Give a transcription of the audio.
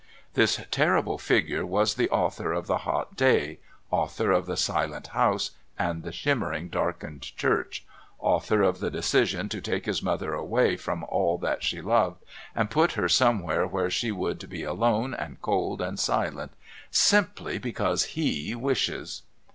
This terrible figure was the author of the hot day, author of the silent house and the shimmering darkened church, author of the decision to take his mother away from all that she loved and put her somewhere where she would be alone and cold and silent "simply because He wishes..."